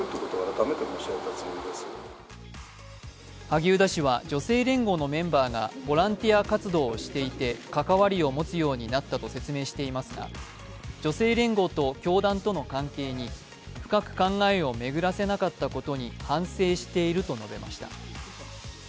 萩生田氏は女性連合のメンバーがボランティア活動をしていて関わりを持つようになったと説明していますが、女性連合と教団との関係に深く考えを巡らせなかったことに反省していると述べました。